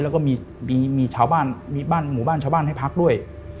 แล้วก็มีชาวบ้านมีบ้านหมู่บ้านชาวบ้านให้พักด้วย